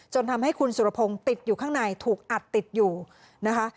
ทำให้คุณสุรพงศ์ติดอยู่ข้างในถูกอัดติดอยู่นะคะ